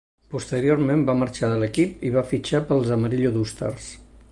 Posteriorment va marxar de l'equip i va fitxar pels Amarillo Dusters.